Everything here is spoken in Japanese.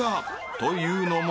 というのも］